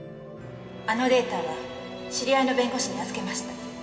あのデータは知り合いの弁護士に預けました。